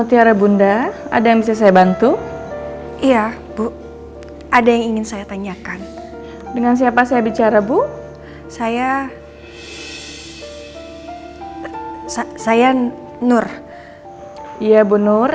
iya bu nur